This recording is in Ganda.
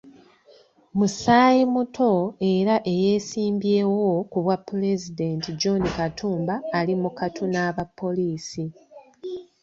Musaayimuto era eyeesimbyewo ku bwapulezidenti, John Katumba, ali mu kattu n'aba pollisi.